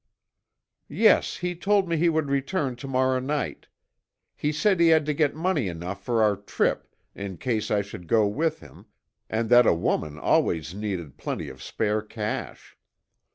"Yes, he told me he would return to morrow night. He said he had to get money enough for our trip in case I should go with him, and that a woman always needed plenty of spare cash.